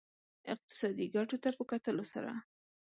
اقتصادي ګټو ته په کتلو سره.